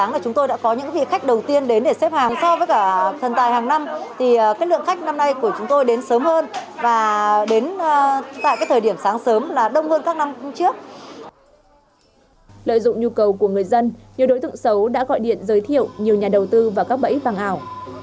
lợi dụng nhu cầu của người dân nhiều đối tượng xấu đã gọi điện giới thiệu nhiều nhà đầu tư vào các bẫy vàng ảo